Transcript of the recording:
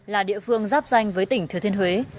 là địa phương giáp danh với tỉnh thừa thiên huế